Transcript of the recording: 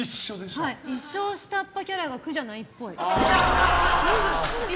一生下っ端キャラが苦じゃないっぽい。